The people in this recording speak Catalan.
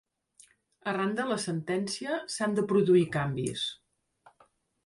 Arran de la sentència s'han de produir canvis.